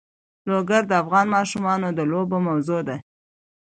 لوگر د افغان ماشومانو د لوبو موضوع ده.